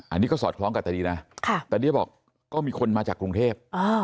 อันนี้ก็สอดคล้องกับตาดีนะตาเตี้ยบอกก็มีคนมาจากกรุงเทพ